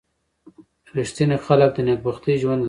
• رښتیني خلک د نېکبختۍ ژوند لري.